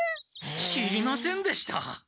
知りませんでした！